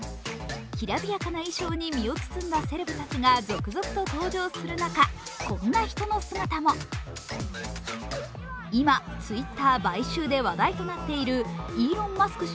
きらびやかな衣装に身を包んだセレブたちが続々と登場する中、こんな人の姿も今、ツイッター買収で話題となっているイーロン・マスク